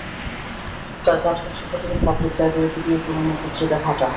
তার কাজ হচ্ছে প্রতিদিন পাবলিক লাইব্রেরিতে গিয়ে পুরনো পত্রিকা ঘাঁটা।